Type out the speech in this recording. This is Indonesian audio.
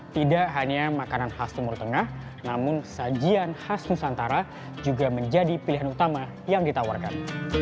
tidak hanya makanan khas timur tengah namun sajian khas nusantara juga menjadi pilihan utama yang ditawarkan